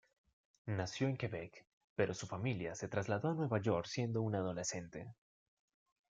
Nació en Quebec pero su familia se trasladó a Nueva York siendo un adolescente.